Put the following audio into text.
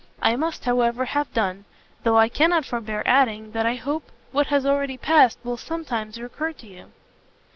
I must, however, have done; though I cannot forbear adding that I hope what has already passed will sometimes recur to you."